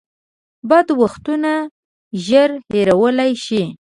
بد وختونه ژر هېرولی شئ .